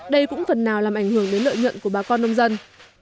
đây cũng phần nào làm ảnh hưởng đến lợi nhuận của bà con nông dân